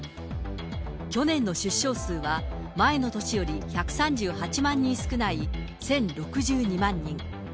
去年の出生数は、前の年より１３８万人少ない１０６２万人。